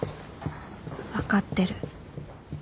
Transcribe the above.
分かってる